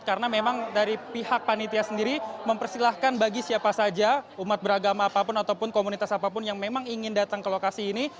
karena memang dari pihak panitia sendiri mempersilahkan bagi siapa saja umat beragama apapun ataupun komunitas apapun yang memang ingin datang ke lokasi ini